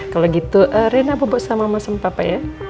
kalo gitu rena bubuk sama mama sama papa ya